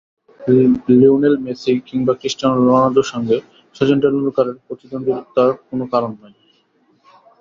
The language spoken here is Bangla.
লিওনেল মেসি কিংবা ক্রিস্টিয়ানো রোনালদোর সঙ্গে শচীন টেন্ডুলকারের প্রতিদ্বন্দ্বিতার কোনো কারণই নেই।